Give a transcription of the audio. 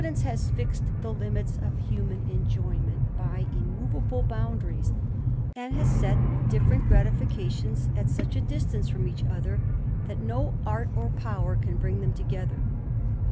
e has fixed the limits of human enjoyment by : boundaries, and has set different gratifications Jistance from each other, that no art or power can 1 together.